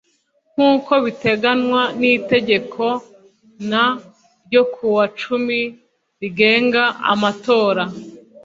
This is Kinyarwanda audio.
Nk uko biteganywa n itegeko N ryo ku wa cumi rigenga amatora